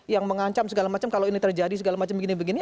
yang mengancam segala macam kalau ini terjadi segala macam begini begini